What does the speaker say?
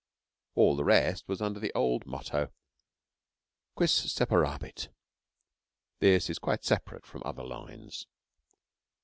All the rest was under the old motto: 'Quis separabit' 'This is quite separate from other lines.'